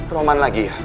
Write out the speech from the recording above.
roman lagi ya